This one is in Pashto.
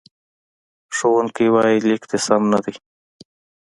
ښوونکی وایي، لیک دې سم نه دی.